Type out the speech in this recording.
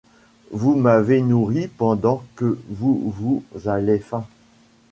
Vous m’avez nourri pendant que vous vous allait faim.